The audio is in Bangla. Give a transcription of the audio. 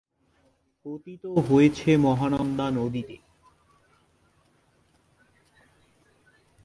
পতিত হয়েছে মহানন্দা নদীতে।